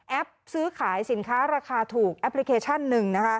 ซื้อขายสินค้าราคาถูกแอปพลิเคชันหนึ่ง